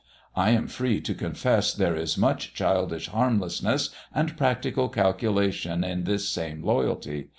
I am free to confess there is much childish harmlessness and practical calculation in this same loyalty.